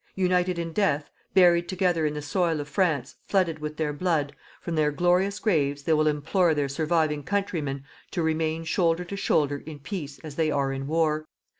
United in death, buried together in the soil of France flooded with their blood, from their glorious graves they will implore their surviving countrymen to remain shoulder to shoulder in peace as they are in war.